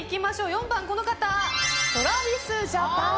４番、ＴｒａｖｉｓＪａｐａｎ。